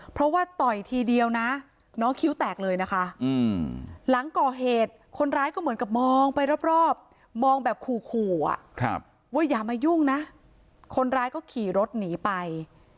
เพราะว่าต่อยทีเดียวนะน้องคิ้วแตกเลยนะคะหลังก่อเหตุคนร้ายก็เหมือนกับมองไปรอบมองแบบขู่อ่ะว่าอย่ามายุ่งนะคนร้ายก็ขี่รถหนีไป